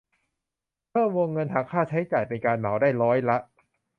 เพิ่มวงเงินหักค่าใช้จ่ายเป็นการเหมาได้ร้อยละ